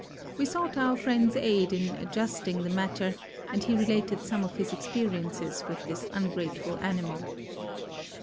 We sought our friend's aid in adjusting the matter and he related some of his experiences with this ungrateful animal.